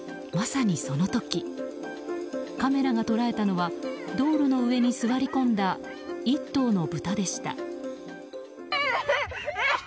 まさにその時カメラが捉えたのは道路の上に座り込んだ１頭の豚でした。